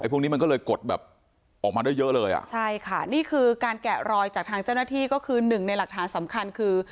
พวกนี้มันก็เลยกดแบบออกมาได้เยอะเลยอ่ะใช่ค่ะนี่คือการแกะรอยจากทางเจ้าหน้าที่ก็คือหนึ่งในหลักฐานสำคัญคือ